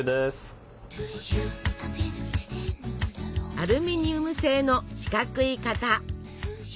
アルミニウム製の四角い型！